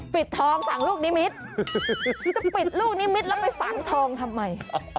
ปิดทองฝั่งลูกนิมิตรจะปิดลูกนิมิตรแล้วไปฝังทองทำไม